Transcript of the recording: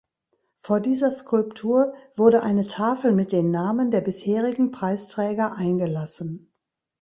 Vor dieser Skulptur wurde eine Tafel mit den Namen der bisherigen Preisträger eingelassen.